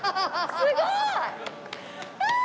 すごい！